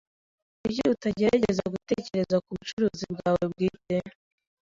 Kuki utagerageza gutekereza kubucuruzi bwawe bwite?